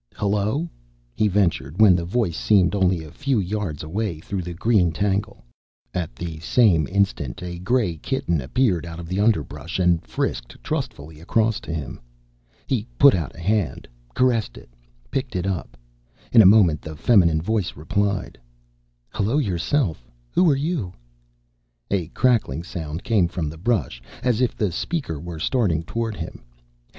"Hello," he ventured, when the voice seemed only a few yards away through the green tangle. At the same instant a gray kitten appeared out of the underbrush, and frisked trustfully across to him. He put out a hand, caressed it, picked it up. In a moment the feminine voice replied, "Hello yourself. Who are you?" A crackling sound came from the brush, as if the speaker were starting toward him.